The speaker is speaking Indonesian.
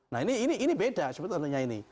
nah ini beda sebetulnya ini